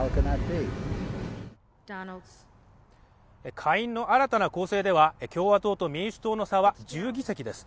下院の新たな構成では共和党と民主党の差は１０議席です